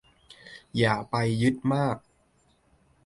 อย่าไปยึดมาก